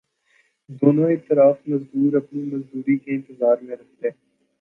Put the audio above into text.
دونوں اطراف مزدور اپنی مزدوری کے انتظار میں رہتے